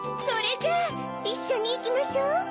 それじゃあいっしょにいきましょう！